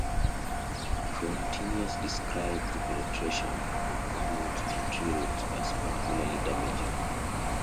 Frontinus describes the penetration of conduits by tree-roots as particularly damaging.